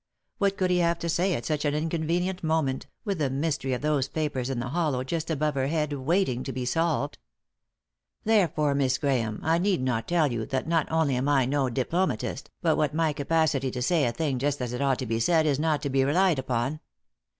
What could he have to say at such an inconvenient moment, with the mystery of those papers in the hollow just above her head waiting to be solved ? "Therefore, Miss Grahame, I need not tell you that not only am I no diplomatist, but that my capacity to say a thing just as it ought to be said is not to be relied upon.